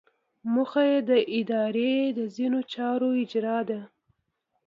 موخه یې د ادارې د ځینو چارو اجرا ده.